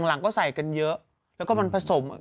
หลังก็ใส่กันเยอะแล้วก็มันผสม